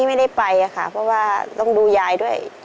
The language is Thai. ไม่ได้ไปค่ะเพราะว่าต้องดูยายด้วย